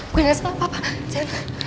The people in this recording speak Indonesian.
gue gak salah apa apa